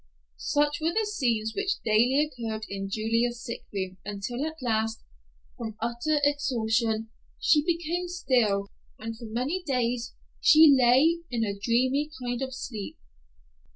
Such were the scenes which daily occurred in Julia's sick room until at last, from utter exhaustion, she became still, and for many days she lay in a dreamy kind of sleep.